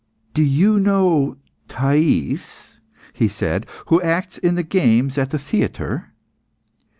"Do you know Thais," he said, "who acts in the games at the theatre?"